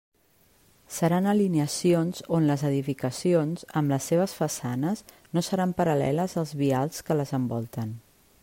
Seran alineacions on les edificacions, amb les seves façanes no seran paral·leles als vials que les envolten.